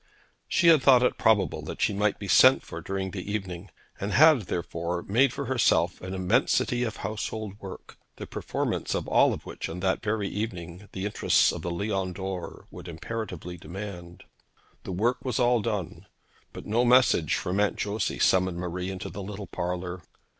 She had thought it probable that she might be sent for during the evening, and had, therefore, made for herself an immensity of household work, the performance of all which on that very evening the interests of the Lion d'Or would imperatively demand. The work was all done, but no message from Aunt Josey summoned Marie into the little parlour.